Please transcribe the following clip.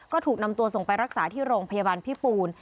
ก็ถูกนำตัวส่งไปรักษาที่โรงพยาบาลพิปูน